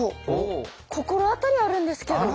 心当たりあるんですけど。